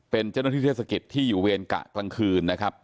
เป็นเจ้าหน้าที่เทศกิจที่อยู่เวียงกะกลางคืน